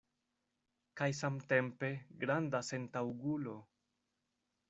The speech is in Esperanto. Kaj samtempe granda sentaŭgulo!